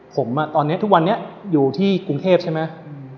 ผมตอนนี้ทุกวันนี้อยู่ที่กรุงเทพใช่ไหม